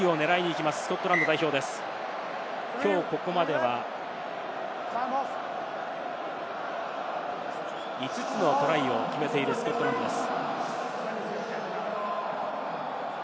きょうここまでは５つのトライを決めているスコットランドです。